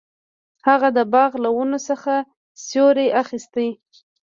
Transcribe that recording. هغه د باغ له ونو څخه سیوری اخیست.